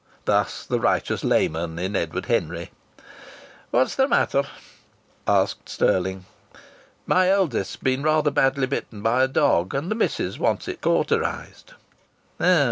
Thus the righteous lay man in Edward Henry! "What's the matter?" asked Stirling. "My eldest's been rather badly bitten by a dog, and the missis wants it cauterized."